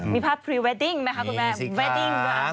มีภาพพรีเวดดิ่งไหมครับคุณแม่